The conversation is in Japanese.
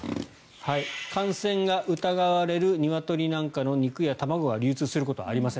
感染が疑われるニワトリなんかの肉や卵が流通することはありません。